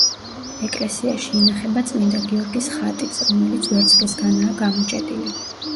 ეკლესიაში ინახება წმინდა გიორგის ხატიც, რომელიც ვერცხლისგანაა გამოჭედილი.